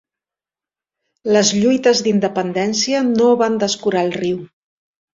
Les lluites d'independència no van descurar el riu.